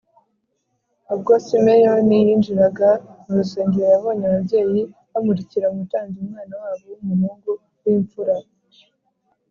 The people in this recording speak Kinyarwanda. Ubwo Simeyoni yinjiraga mu rusengero, yabonye ababyeyi bamurikira umutambyi umwana wabo w’umuhungu w’imfura